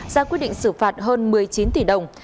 ra quyết định xử phạt hơn một mươi chín tỷ đồng